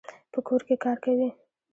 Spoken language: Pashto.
په کور کي کار کوي.